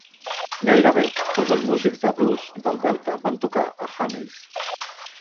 Gairebé tots els músics de blues del delta van tocar a Haney's.